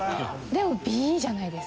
でもＢじゃないですか？